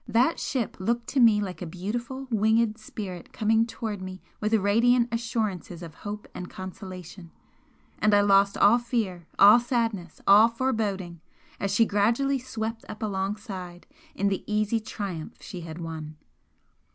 That ship looked to me like a beautiful winged spirit coming towards me with radiant assurances of hope and consolation, and I lost all fear, all sadness, all foreboding, as she gradually swept up alongside in the easy triumph she had won.